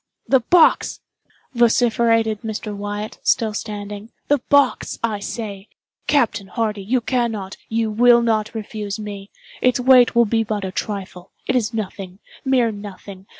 "The box!" vociferated Mr. Wyatt, still standing—"the box, I say! Captain Hardy, you cannot, you will not refuse me. Its weight will be but a trifle—it is nothing—mere nothing.